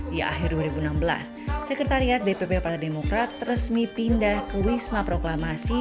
di akhir dua ribu enam belas sekretariat dpp partai demokrat resmi pindah ke wisma proklamasi